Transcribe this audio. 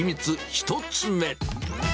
１つ目。